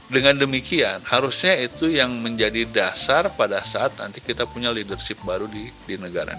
dengan demikian harusnya itu yang menjadi dasar pada saat nanti kita punya leadership baru di negara